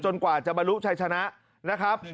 กว่าจะบรรลุชัยชนะนะครับ